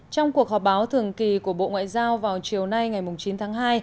trong cuộc họp báo thường kỳ của bộ ngoại giao vào chiều nay ngày chín tháng hai